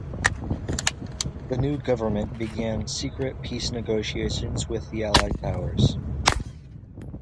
The new government began secret peace negotiations with the Allied powers.